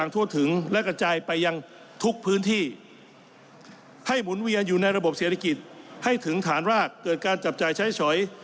ถึงฐานรากเกิดการจับจ่ายใช้สอย